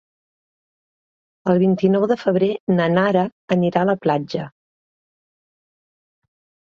El vint-i-nou de febrer na Nara anirà a la platja.